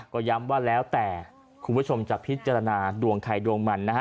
ก็ย้ำว่าแล้วแต่คุณผู้ชมจะพิจารณาดวงใครดวงมันนะฮะ